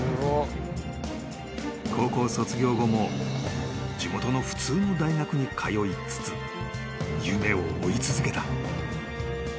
［高校卒業後も地元の普通の大学に通いつつ夢を追い続けた］